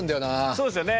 そうですよね。